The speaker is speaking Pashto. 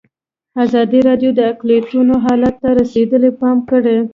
ازادي راډیو د اقلیتونه حالت ته رسېدلي پام کړی.